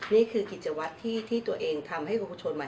นี่คือกิจวัตรที่ตัวเองทำให้ประชาชนมา